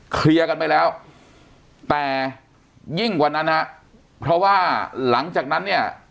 เคลียร์กันไปแล้วแต่ยิ่งกว่านั้นฮะเพราะว่าหลังจากนั้นเนี่ย